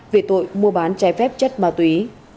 vì tội mua bán trái phép chất ma túy